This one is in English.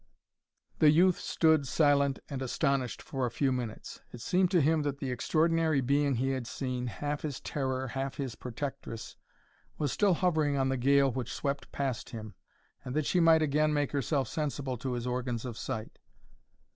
The youth stood silent and astonished for a few minutes. It seemed to him that the extraordinary Being he had seen, half his terror, half his protectress, was still hovering on the gale which swept past him, and that she might again make herself sensible to his organs of sight.